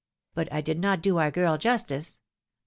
But I did not do our girl justice.